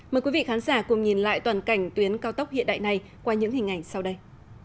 mời quý vị khán giả cùng nhìn lại toàn cảnh tuyến cao tốc hiện đại này qua những hình ảnh sau đây